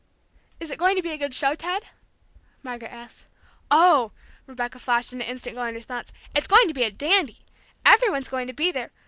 "Is it going to be a good show, Ted?" Margaret asked. "Oh," Rebecca flashed into instant glowing response. "It's going to be a dandy! Every one's going to be there!